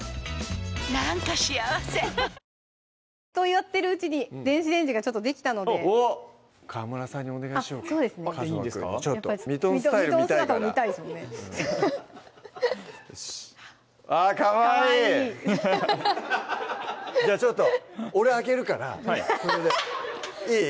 やってるうちに電子レンジがちょっとできたので川村さんにお願いしようかあっそうですねミトンスタイル見たいからミトン姿も見たいですもんねよしあっかわいいじゃあちょっと俺開けるからそれでいい？